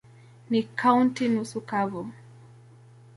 Ni kaunti nusu kavu.